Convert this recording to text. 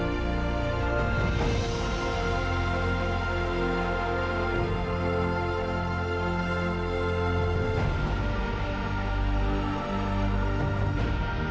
nggak ada yang nunggu